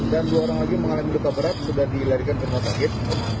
dan dua orang lagi mengalami berat berat sudah dilarikan ke rumah sakit